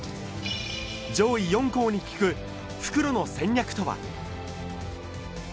上位４校に聞く復路の戦略とは？